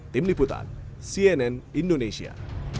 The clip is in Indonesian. tim liputan cnn indonesia